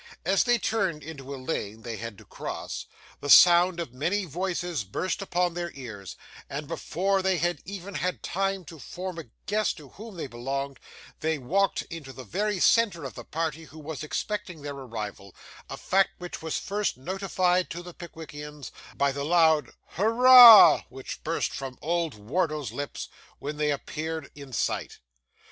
As they turned into a lane they had to cross, the sound of many voices burst upon their ears; and before they had even had time to form a guess to whom they belonged, they walked into the very centre of the party who were expecting their arrival a fact which was first notified to the Pickwickians, by the loud 'Hurrah,' which burst from old Wardle's lips, when they appeared in sight.